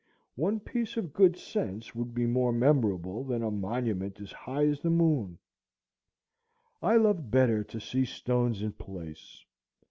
One piece of good sense would be more memorable than a monument as high as the moon. I love better to see stones in place.